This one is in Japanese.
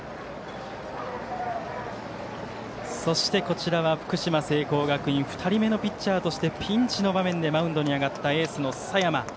そして、福島・聖光学院２人目のピッチャーとしてピンチの場面でマウンドに上がったエースの佐山。